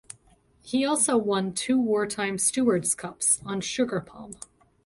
He also won two wartime Stewards Cups on Sugar Palm.